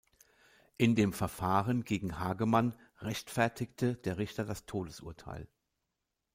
In dem Verfahren gegen Hagemann rechtfertigte der Richter das Todesurteil.